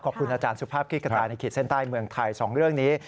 ขอบคุณอาจารย์สุภาพคลิกกระจายในขีดเส้นใต้เมืองไทย๒เรื่องนี้